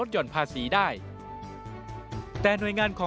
๕เงินจากการรับบริจาคจากบุคคลหรือนิติบุคคล